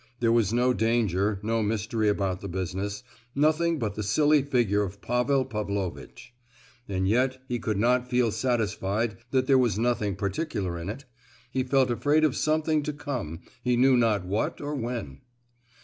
There was no danger, no mystery about the business, nothing but the silly figure of Pavel Pavlovitch. And yet he could not feel satisfied that there was nothing particular in it; he felt afraid of something to come, he knew not what or when.